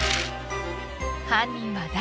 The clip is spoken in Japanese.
［犯人は誰？